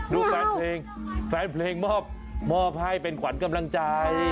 แฟนเพลงแฟนเพลงมอบให้เป็นขวัญกำลังใจ